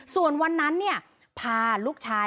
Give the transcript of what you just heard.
ส่วนวันนั้นพาลูกชาย